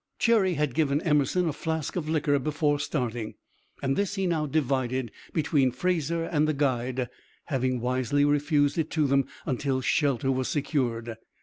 Cherry had given Emerson a flask of liquor before starting, and this he now divided between Fraser and the guide, having wisely refused it to them until shelter was secured.